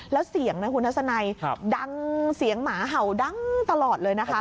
แล้วเสียงนะคุณทัศนัยดังเสียงหมาเห่าดังตลอดเลยนะคะ